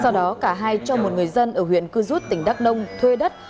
sau đó cả hai cho một người dân ở huyện cư rút tỉnh đắk nông thuê đất